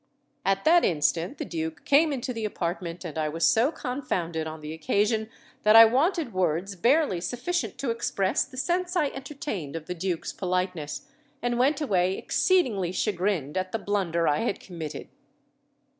At that instant the duke came into the apartment, and I was so confounded on the occasion that I wanted words barely sufficient to express the sense I entertained of the duke's politeness, and went away exceedingly chagrined at the blunder I had committed."